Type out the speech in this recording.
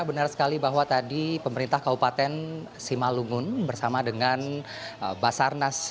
benar sekali bahwa tadi pemerintah kabupaten simalungun bersama dengan basarnas